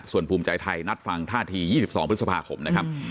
ส่วนภูมิใจไทยนัดฟังท่าที๒๒พฤษภาคมนะครับ